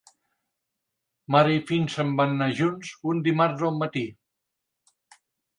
Mare i fill se'n van anar junts un dimarts al matí.